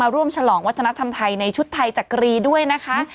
ฉลองวัฒนธรรมไทยในชุดไทยจักรีด้วยนะคะ